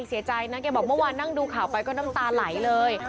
เสียใจนะแกบอกเมื่อวานนั่งดูข่าวไปก็น้ำตาไหลเลย